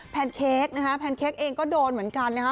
แนนเค้กนะฮะแพนเค้กเองก็โดนเหมือนกันนะฮะ